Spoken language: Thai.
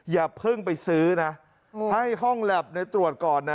อย่าเพิ่งไปซื้อนะให้ห้องแล็บตรวจก่อนนะ